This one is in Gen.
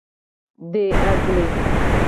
De agble.